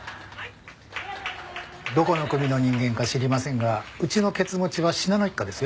どこの組の人間か知りませんがうちのケツ持ちは信濃一家ですよ。